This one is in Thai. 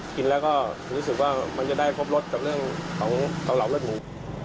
กินแล้วก็รู้สึกว่ามันจะได้ครบรสกับเรื่องของเกาเหลาเลือดหมู